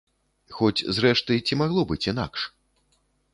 Хоць зрэшты, ці магло быць інакш?